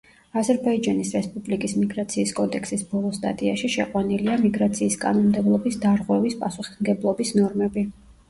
აზერბაიჯანის რესპუბლიკის მიგრაციის კოდექსის ბოლო სტატიაში შეყვანილია მიგრაციის კანონმდებლობის დარღვევის პასუხისმგებლობის ნორმები.